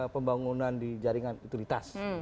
pembangunan di jaringan utilitas